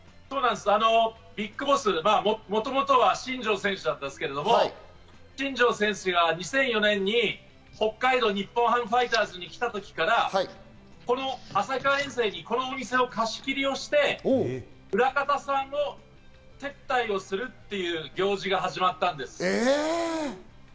ＢＩＧＢＯＳＳ、もともとは新庄選手だったんですけれども、新庄選手が２００４年に北海道日本ハムファイターズに来た時から、旭川遠征にこのお店を貸し切りにして裏方さんの接待をするという行事が始まったんです。